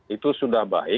itu sudah baik